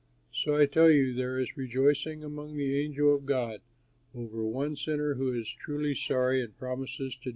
So, I tell you, there is rejoicing among the angels of God over one sinner who is truly sorry and promises to do right."